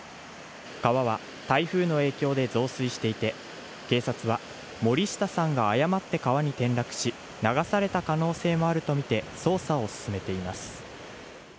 川は台風の影響で増水していて警察は、森下さんが誤って川に転落し、流された可能性もあるとみて捜査を進めています。